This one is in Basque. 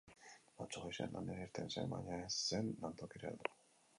Atzo goizean lanera irten zen, baina ez zen lantokira heldu.